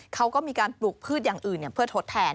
เขาก็มีการปลูกพืชอย่างอื่นเพื่อทดแทน